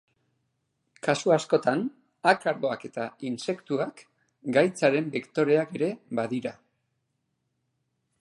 Kasu askotan akaroak eta intsektuak gaitzaren bektoreak ere badira.